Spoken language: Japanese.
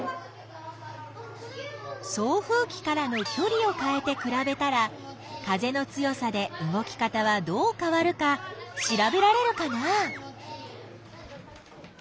送風きからのきょりをかえてくらべたら風の強さで動き方はどうかわるかしらべられるかな？